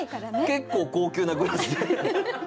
結構高級なグラスで。